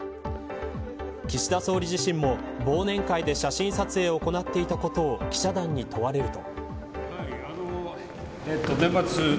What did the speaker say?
岸田総理自身も忘年会で写真撮影を行っていたことを記者団に問われると。